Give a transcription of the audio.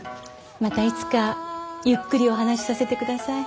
またいつかゆっくりお話しさせてください。